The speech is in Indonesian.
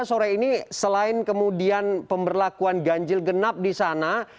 sore ini selain kemudian pemberlakuan ganjil genap di sana